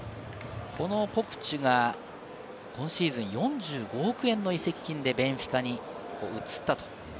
コクチュが今シーズンは４５億円の移籍金でベンフィカに移った。